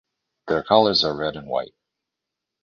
Their colors are red and white.